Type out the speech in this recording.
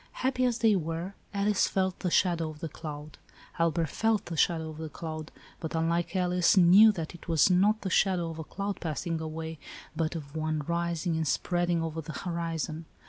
Happy as they were, Alice felt the shadow of the cloud. Albert felt the shadow of the cloud, but, unlike Alice, knew that it was not the shadow of a cloud passing away, but of one rising and spreading over the horizon.